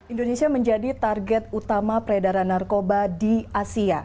indonesia menjadi target utama peredaran narkoba di asia